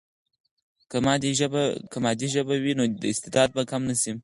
که مادي ژبه وي، نو استعداد به کم نه سي.